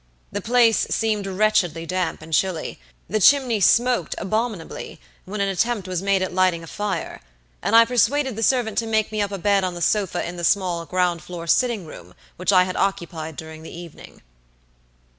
The place seemed wretchedly damp and chilly, the chimney smoked abominably when an attempt was made at lighting a fire, and I persuaded the servant to make me up a bed on the sofa in the small ground floor sitting room which I had occupied during the evening."